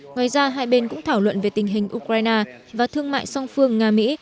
ngoài ra hai bên cũng thảo luận về tình hình ukraine và thương mại song phương nga mỹ